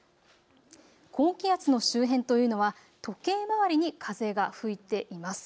高気圧の周辺というのは時計回りに風が吹いています。